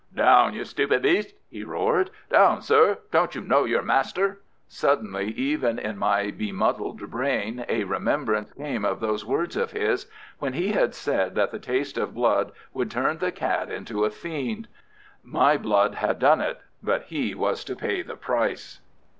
"Down, you stupid beast!" he roared. "Down, sir! Don't you know your master?" Suddenly even in my bemuddled brain a remembrance came of those words of his when he had said that the taste of blood would turn the cat into a fiend. My blood had done it, but he was to pay the price.